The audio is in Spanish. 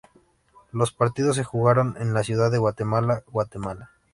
Los partidos se jugaron en Ciudad de Guatemala, Guatemala.